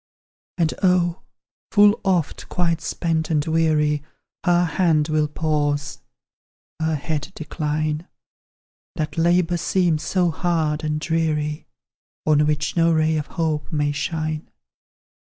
And oh! full oft, quite spent and weary, Her hand will pause, her head decline; That labour seems so hard and dreary, On which no ray of hope may shine.